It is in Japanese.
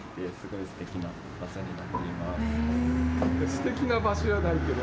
すてきな場所じゃないけど。